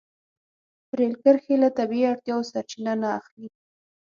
رېل کرښې له طبیعي اړتیاوو سرچینه نه اخلي.